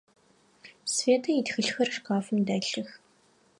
Светэ итхылъхэр шкафым дэлъых.